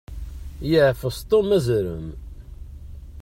Yeɛfes Tom azrem.